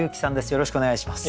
よろしくお願いします。